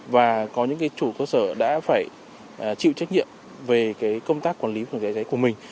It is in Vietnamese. và có những cái chủ cơ sở đã phải chịu trách nhiệm về công tác quản lý của giấy cháy của mình